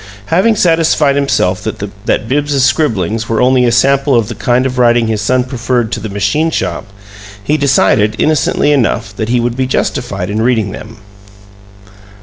Having satisfied himself that Bibbs's scribblings were only a sample of the kind of writing his son preferred to the machine shop, he decided, innocently enough, that he would be justified in reading them.